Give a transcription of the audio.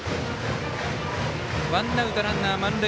ワンアウトランナー、満塁。